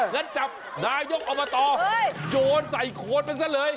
และจับนายกอบตโจรใส่โค้ดมาซะเลย